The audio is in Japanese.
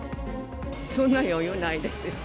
そんな余裕ないですよ。